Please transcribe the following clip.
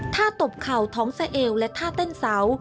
ตบเข่าท้องสะเอวและท่าเต้นเสา